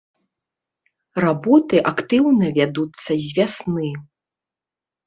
Работы актыўна вядуцца з вясны.